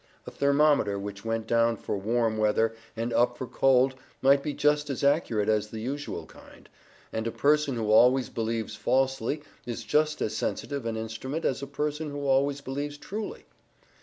A thermometer which went down for warm weather and up for cold might be just as accurate as the usual kind; and a person who always believes falsely is just as sensitive an instrument as a person who always believes truly.